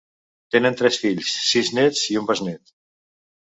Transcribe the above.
Tenen tres fills, sis nets i un besnét.